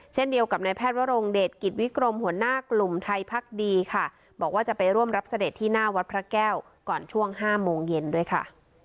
เช่นเดียวกับนายแพทย์วรงเดชกิจวิกรมหัวหน้ากลุ่มไทยพักดีค่ะบอกว่าจะไปร่วมรับเสด็จที่หน้าวัดพระแก้วก่อนช่วง๕โมงเย็นด้วยค่ะ